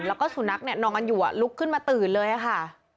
แล้วก็สุนัขเนี่ยนอนกันอยู่ลุกขึ้นมาตื่นเลยค่ะ